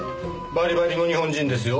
バリバリの日本人ですよ。